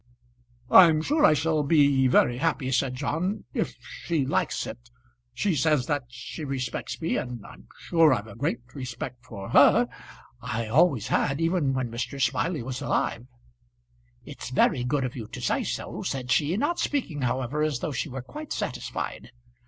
"I'm sure I shall be very happy," said John, "if she likes it. She says that she respects me, and I'm sure I've a great respect for her. I always had even when Mr. Smiley was alive." "It's very good of you to say so," said she; not speaking however as though she were quite satisfied.